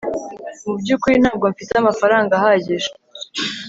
mu byukuri ntabwo mfite amafaranga ahagije